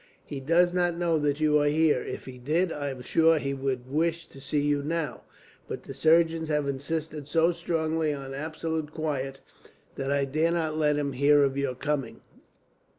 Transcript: He does not know that you are here. If he did, I am sure that he would wish to see you now; but the surgeons have insisted so strongly on absolute quiet, that I dare not let him hear of your coming."